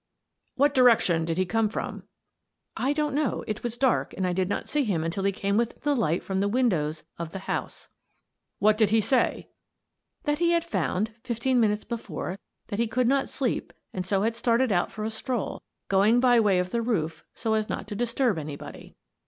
"What direction did he come from?" " I don't know ; it was dark and I did not see him until he came within the light from the win dows of the house." "What did he say?" " That he had found, fifteen minutes before, that he could not sleep and so had started out for a stroll, going by way of the roof so as not to dis turb anybody."